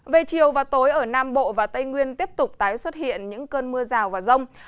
về chiều và tối ở nam bộ và tây nguyên tiếp tục tái xuất hiện những cơn mưa rào và rông